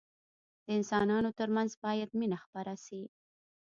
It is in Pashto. د انسانانو ترمنځ باید مينه خپره سي.